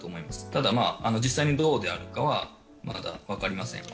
ただ実際にどうであるかは、まだ分かりません。